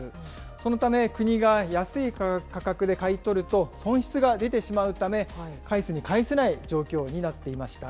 そのため、国が安い価格で買い取ると、損失が出てしまうため、返すに返せない状況になっていました。